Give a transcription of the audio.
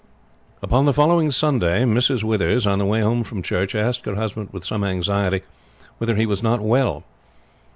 Upon the following Sunday Mrs. Withers, on the way home from church, asked her husband with some anxiety whether he was not well.